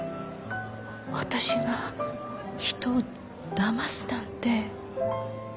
私が人をだますなんて。